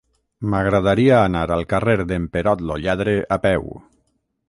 M'agradaria anar al carrer d'en Perot lo Lladre a peu.